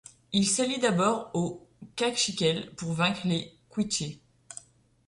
Il s'allie d'abord aux Cakchiquel pour vaincre les Quiché.